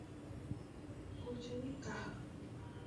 Nguyen Khanh.